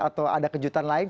atau ada kejutan lain